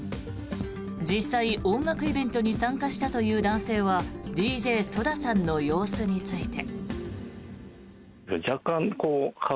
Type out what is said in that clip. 実際、音楽イベントに参加したという男性はＤＪＳＯＤＡさんの様子について。